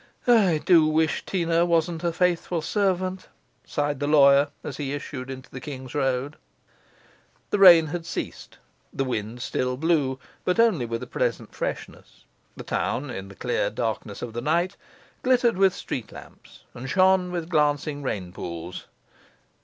'I do wish Teena wasn't a faithful servant!' sighed the lawyer, as he issued into Kings's Road. The rain had ceased; the wind still blew, but only with a pleasant freshness; the town, in the clear darkness of the night, glittered with street lamps and shone with glancing rain pools.